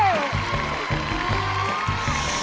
โอ๊ย